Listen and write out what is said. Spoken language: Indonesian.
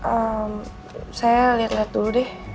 ehm saya liat liat dulu deh